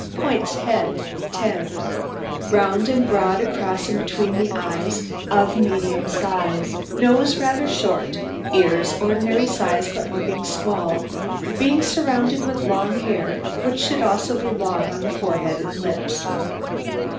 POINTS HEAD 10 Round and broad across and between the eyes, of medium size; nose rather short; ears ordinary size, but looking small, being surrounded with long hair, which should also be long on the forehead and lips.